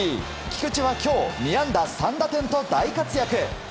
菊池は今日２安打３打点と大活躍！